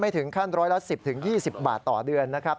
ถึงขั้นร้อยละ๑๐๒๐บาทต่อเดือนนะครับ